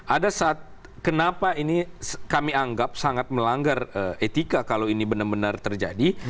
ada saat kenapa ini kami anggap sangat melanggar etika kalau ini benar benar terjadi